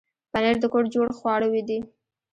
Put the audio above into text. پنېر د کور جوړ خواړه دي.